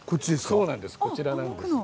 そうなんですこちらなんです。